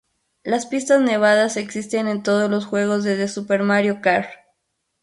Las pistas nevadas existen en todos los juegos desde "Super Mario Kart".